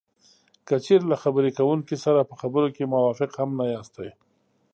که چېرې له خبرې کوونکي سره په خبرو کې موافق هم نه یاستی